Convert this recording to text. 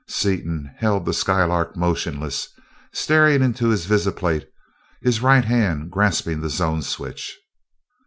Seaton held the Skylark motionless, staring into his visiplate, his right hand grasping the zone switch.